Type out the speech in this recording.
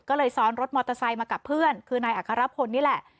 ก็เลยซ้อนรถมอเตอร์ไซค์มากับเพื่อนคือนายอัครพลนี่แหละ